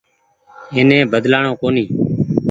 اي ني بدلآڻو ڪونيٚ ۔